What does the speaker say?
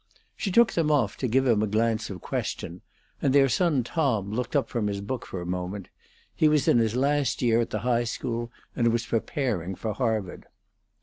She took them off to give him a glance of question, and their son Tom looked up from his book for a moment; he was in his last year at the high school, and was preparing for Harvard.